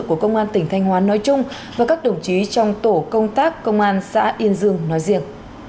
của công an tỉnh thanh hóa nói chung và các đồng chí trong tổ công tác công an xã yên dương nói riêng